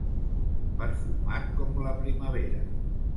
Perfumat com la primavera.